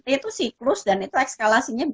itu siklus dan itu ekskalasinya